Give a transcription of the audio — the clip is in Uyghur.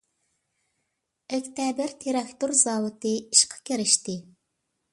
ئۆكتەبىر تىراكتور زاۋۇتى ئىشقا كىرىشتى .